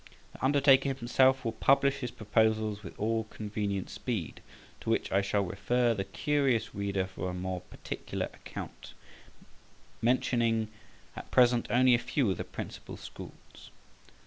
The undertaker himself will publish his proposals with all convenient speed, to which I shall refer the curious reader for a more particular account, mentioning at present only a few of the principal schools.